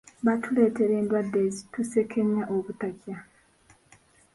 "Baatuleetera endwadde, ezitusenkenya obutakya."